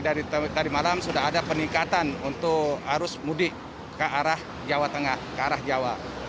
dari tadi malam sudah ada peningkatan untuk arus mudik ke arah jawa tengah ke arah jawa